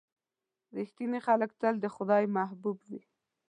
• رښتیني خلک تل د خدای محبوب وي.